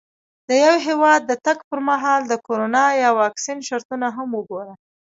د یو هېواد د تګ پر مهال د کرونا یا واکسین شرطونه هم وګوره.